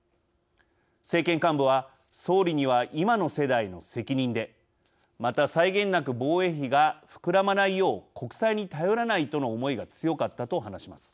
政権幹部は「総理には今の世代の責任でまた際限なく防衛費が膨らまないよう国債に頼らないとの思いが強かった」と話します。